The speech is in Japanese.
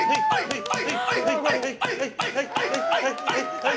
はい！